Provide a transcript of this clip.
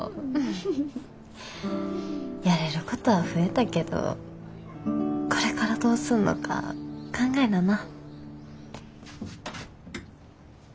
やれることは増えたけどこれからどうすんのか考えなな。